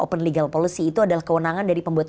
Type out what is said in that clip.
open legal policy itu adalah kewenangan dari pembuat